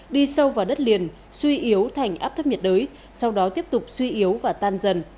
đi sâu vào đất liền suy yếu thành áp thấp nhiệt đới sau đó tiếp tục suy yếu và tan dần